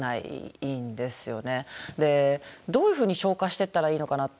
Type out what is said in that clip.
どういうふうに消化していったらいいのかなって。